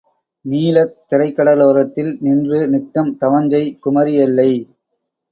நீலத் திரைக்கட லோரத்திலே நின்று நித்தம் தவஞ்செய் குமரி எல்லை